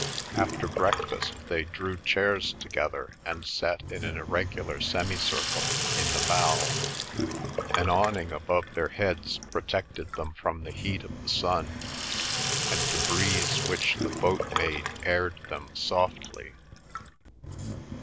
After breakfast they drew chairs together and sat in an irregular semicircle in the bow. An awning above their heads protected them from the heat of the sun, and the breeze which the boat made aired them softly.